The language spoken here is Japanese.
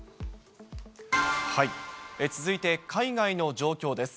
続いて、海外の状況です。